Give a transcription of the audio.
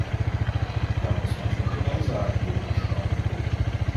Da muss man schon genau sagen, wo man sparen will.